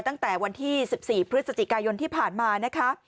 ตั้งแต่วันที่๑๔พฤศจิกายนที่ผ่านมานะคะ